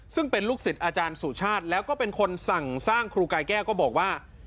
ซึ่งเป็นลูกศิษย์อาจารย์สุชาติแล้วก็เป็นคนสั่งสร้างครูกายแก้วก็บอกว่า